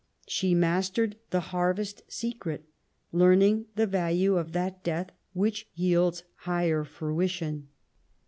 She mastered the harvest secret, learning the value of that death which yields higher fruition.